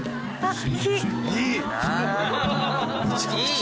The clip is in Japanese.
いい！